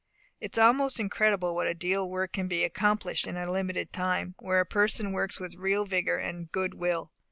It is almost incredible what a deal of work can be accomplished in a limited time, where a person works with real vigour and good will.